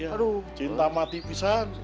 aduh cinta mati pisan